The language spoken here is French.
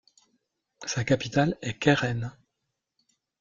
Sa capitale est Keren.